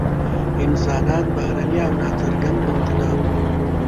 انسانان بهرني او نا څرګند موجودات وو.